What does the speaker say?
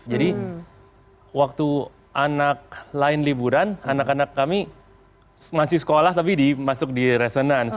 jadi waktu anak lain liburan anak anak kami masih sekolah tapi dimasuk di resonance